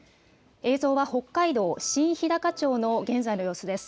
映像は北海道新ひだか町の現在の様子です。